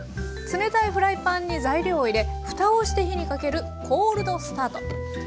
冷たいフライパンに材料を入れふたをして火にかけるコールドスタート。